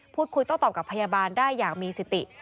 พูดคุยต้นตอบกับพยาบาลได้อย่างมีสิทธิ์